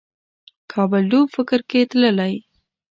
کابل ډوب فکر کې تللی